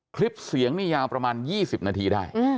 คลิปเสียงนี่ยาวประมาณ๒๐นาทีได้